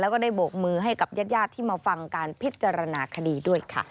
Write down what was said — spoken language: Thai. แล้วก็ได้โบกมือให้กับญาติที่มาฟังการพิจารณาคดีด้วยค่ะ